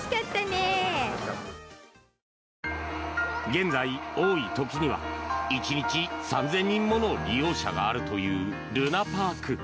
現在、多い時には１日３０００人もの利用者があるというるなぱあく。